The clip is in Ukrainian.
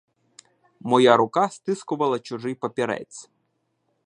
Моя рука стискувала чужий папірець.